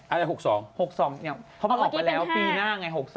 อะไร๖๒๖๒เพราะมันออกไปแล้วปีหน้าไง๖๒